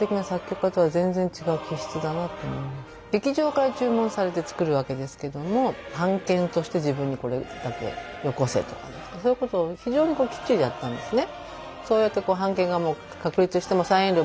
劇場から注文されて作るわけですけども版権として自分にこれだけよこせとかそういうことを非常にきっちりやったんですね。